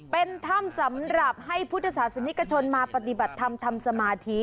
เป็นถ้ำสำหรับให้พุทธศาสนิกชนมาปฏิบัติธรรมทำสมาธิ